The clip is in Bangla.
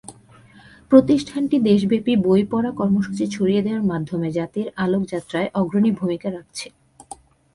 প্রতিষ্ঠানটি দেশব্যাপী বইপড়া কর্মসূচি ছড়িয়ে দেওয়ার মাধ্যমে জাতির আলোকযাত্রায় অগ্রণী ভূমিকা রাখছে।